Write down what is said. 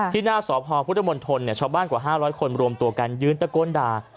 ที่หน้าสพพุทธมนตรชาวบ้านกว่า๕๐๐คนรวมตัวกันยืนตะโกนด่า